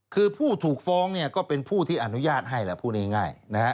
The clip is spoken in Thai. คือผู้ถูกฟ้องก็เป็นผู้ที่อนุญาตให้พูดง่าย